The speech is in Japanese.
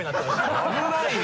危ないよ！